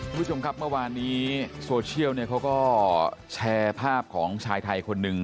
คุณผู้ชมครับเมื่อวานนี้โซเชียลเนี่ยเขาก็แชร์ภาพของชายไทยคนหนึ่ง